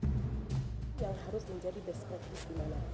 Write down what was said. yang harus menjadi best practice dimana